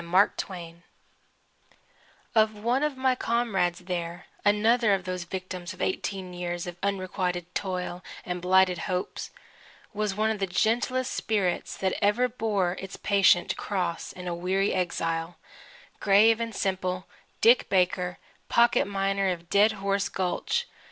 DICK BAKER'S CAT One of my comrades there another of those victims of eighteen years of unrequited toil and blighted hopes was one of the gentlest spirits that ever bore its patient cross in a weary exile: grave and simple Dick Baker, pocket miner of Dead Horse Gulch.